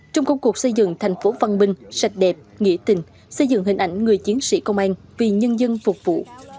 trong công cuộc xây dựng thành phố văn minh sạch đẹp nghĩa tình xây dựng hình ảnh người chiến sĩ công an vì nhân dân phục vụ